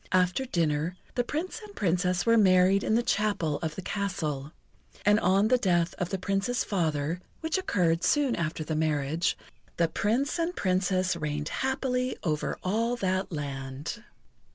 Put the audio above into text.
After dinner, the Prince and Princess were married in the chapel of the castle. And on the death of the Prince's father, which occurred soon after the marriage, the Prince and Princess reigned happily over all that land.